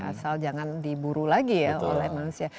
asal jangan diburu lagi ya oleh manusia